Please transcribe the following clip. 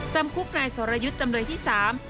จำคุกนายสรยุทธ์จำเลยที่สาม